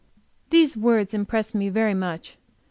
These words impressed me very much.